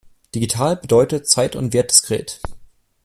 Digital bedeutet zeit- und wertdiskret.